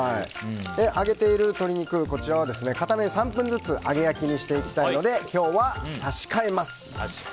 揚げている鶏肉、こちらは片面３分ずつ揚げ焼きにしていきたいので差し替えます！